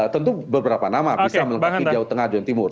tentu beberapa nama bisa melengkapi jawa tengah dan timur